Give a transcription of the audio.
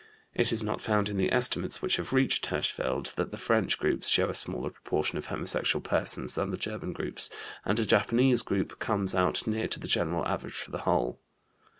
It is not found in the estimates which have reached Hirschfeld that the French groups show a smaller proportion of homosexual persons than the German groups, and a Japanese group comes out near to the general average for the whole.